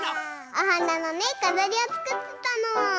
おはなのねかざりをつくってたの。